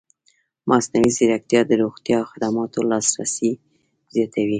مصنوعي ځیرکتیا د روغتیايي خدماتو لاسرسی زیاتوي.